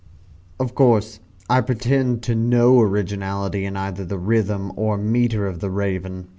Of course I pretend to no originality in either the rhythm or metre of the "Raven."